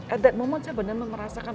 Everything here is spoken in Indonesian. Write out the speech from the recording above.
at that moment saya benar benar merasakan